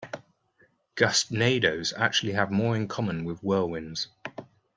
Gustnadoes actually have more in common with whirlwinds.